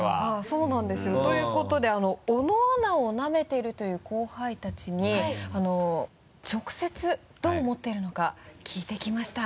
そうなんですよ。ということで小野アナをなめてるという後輩たちに直接どう思っているのか聞いてきました。